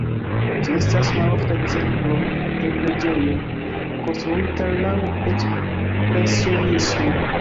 Ĝi estas malofta ekzemplo de preĝejo konstruita laŭ ekspresionismo.